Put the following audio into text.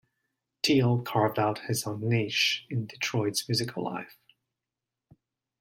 Teal carved out his own niche in Detroit's musical life.